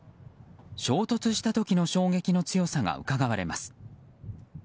衝突した時の衝撃の強さがうかがわれます。